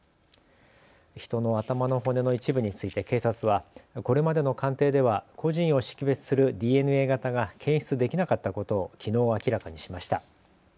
人の頭の骨の一部について警察はこれまでの鑑定では個人を識別するＤＮＡ型が検出できなかったことをきのう明らかにしました。